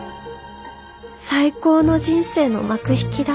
最高の人生の幕引きだ